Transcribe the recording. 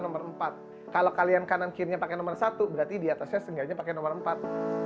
nomor empat kalau kalian kanan kirinya pakai nomor satu berarti diatasnya seenggaknya pakai nomor empat